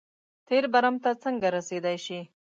تېر برم ته څنګه رسېدای شي.